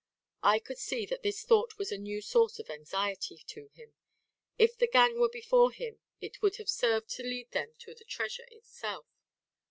I could see that this thought was a new source of anxiety to him; if the gang were before him it would have served to lead them to the treasure itself.